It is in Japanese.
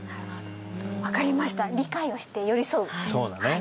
分かりました理解をして寄り添う